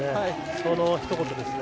そのひと言ですね。